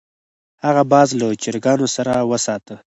هغه باز له چرګانو سره وساته.